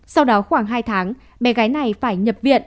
sau đó khoảng hai tháng bé gái này phải nhập viện